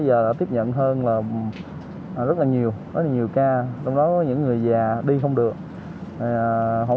vừa hỗ trợ các trường hợp f đang điều trị tại nhà